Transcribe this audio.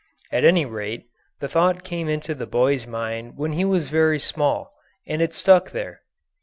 At any rate, the thought came into the boy's mind when he was very small, and it stuck there.